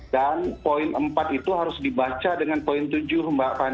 dan poin empat itu harus dibaca dengan poin tujuh mbak fani